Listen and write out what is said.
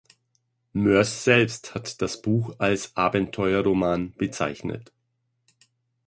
Moers selbst hat das Buch als Abenteuerroman bezeichnet.